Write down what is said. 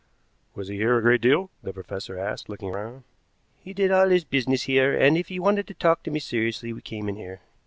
"Was he here a great deal?" the professor asked, looking round. "He did all his business here, and if he wanted to talk to me seriously we came in here.